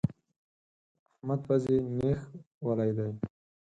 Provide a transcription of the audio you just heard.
د احمد پزې نېښ ولی دی.